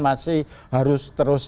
masih harus terus